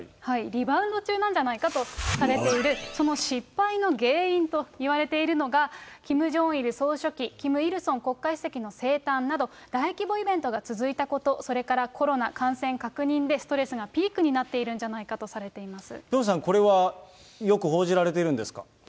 リバウンド中なんじゃないかとされている、その失敗の原因といわれているのが、キム・ジョンイル総書記、キム・イルソン国家主席の生誕など、大規模イベントが続いたこと、それからコロナ感染確認でストレスがピークになっているんじゃなピョンさん、これはよく報じ